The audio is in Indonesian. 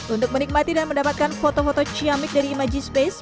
untuk menikmati dan mendapatkan foto foto ciamik dari imajie space